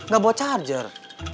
gak bawa charger